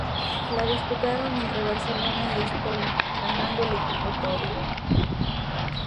La disputaron entre Barcelona y Espoli, ganando el equipo torero.